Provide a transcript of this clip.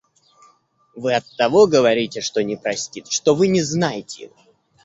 Вы оттого говорите, что не простит, что вы не знаете его.